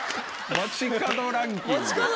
街角ランキング？